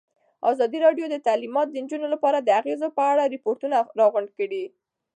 ازادي راډیو د تعلیمات د نجونو لپاره د اغېزو په اړه ریپوټونه راغونډ کړي.